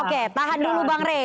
oke tahan dulu bang rey